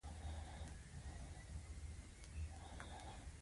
وروسته په کیمیاوي رنګ وړونکو موادو سره چاڼ کېږي.